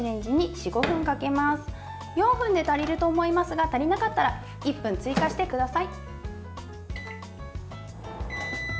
４分で足りると思いますが足りなかったら１分追加してください。